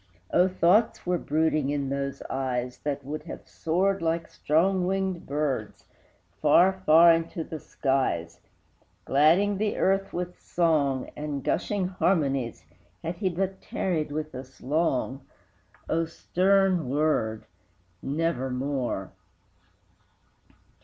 O, thoughts were brooding in those eyes, That would have soared like strong winged birds Far, far, into the skies, Gladding the earth with song, And gushing harmonies, Had he but tarried with us long! O stern word Nevermore!